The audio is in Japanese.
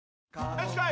よしこい！